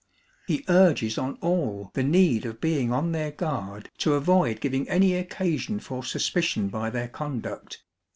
He urges on all the need of being on their guard to avoid giving any occasion for suspicion by their conduct.